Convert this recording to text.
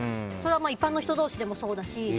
一般の人同士でもそうだし。